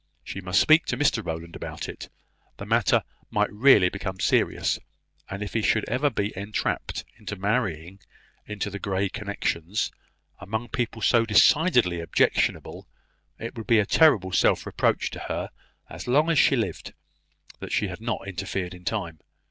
She must speak to Mr Rowland about it; the matter might really become serious; and if he should ever be entrapped into marrying into the Grey connections, among people so decidedly objectionable, it would be a terrible self reproach to her as long as she lived, that she had not interfered in time.